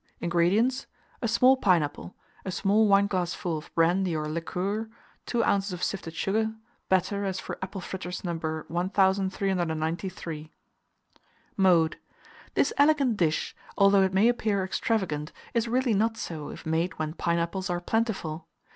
INGREDIENTS. A small pineapple, a small wineglassful of brandy or liqueur, 2 oz. of sifted sugar; batter as for apple fritters No. 1393. Mode. This elegant dish, although it may appear extravagant, is really not so if made when pineapples are plentiful.